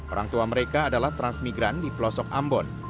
orang tua mereka adalah transmigran di pelosok ambon